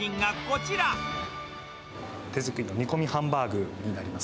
手作りの煮込みハンバーグになります。